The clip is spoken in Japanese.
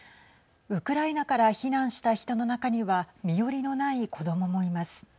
ウクライナから避難した人の中には身寄りのない子どももいます。